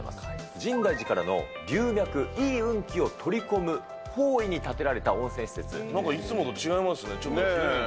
深大寺からのりゅうみゃく、いい運気を取り込む方位に建てらなんかいつもと違いますね。